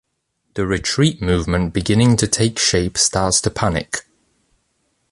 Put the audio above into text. The retreat movement beginning to take shape starts to panic.